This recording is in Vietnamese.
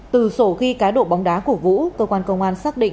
từ sổ ghi cá độ bóng đá của vũ cơ quan công an xử lý